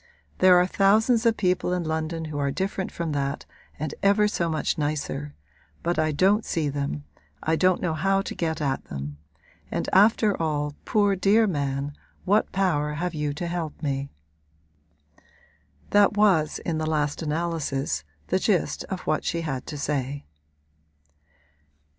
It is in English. There are thousands of people in London who are different from that and ever so much nicer; but I don't see them, I don't know how to get at them; and after all, poor dear man, what power have you to help me?' That was in the last analysis the gist of what she had to say.